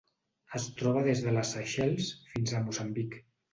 Es troba des de les Seychelles fins a Moçambic.